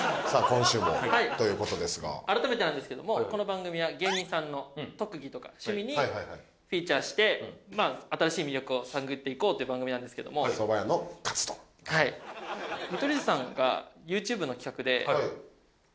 今週もということですが改めてなんですけどもこの番組は芸人さんの特技とか趣味にフィーチャーして新しい魅力を探っていこうという番組なんですけども蕎麦屋のかつ丼そうです